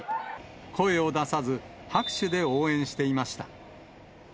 声を出さず、拍手で応援していました。